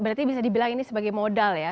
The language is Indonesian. berarti bisa dibilang ini sebagai modal ya